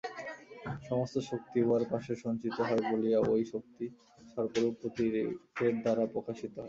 সমস্ত শক্তি উহার পার্শ্বে সঞ্চিত হয় বলিয়া ঐ শক্তি সর্পরূপ প্রতীকের দ্বারা প্রকাশিত হয়।